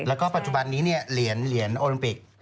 แล้วก็ปัจจุบันนี้เหรียญโอลิมปิก